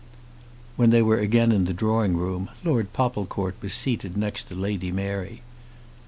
When they were again in the drawing room, Lord Popplecourt was seated next to Lady Mary.